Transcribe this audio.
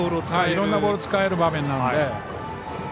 いろいろなボールを使える場面なので。